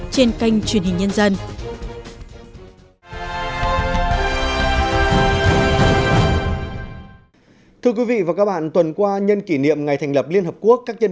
trên kênh truyền hình nhân dân